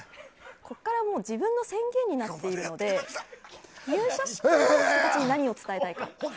ここから自分の宣言になっているので入社式の時に何を伝えたいか。